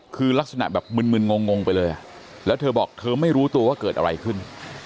คือลักษณะแบบมึนงงไปเลยแล้วเธอบอกเธอไม่รู้ตัวว่าเกิดอะไรขึ้น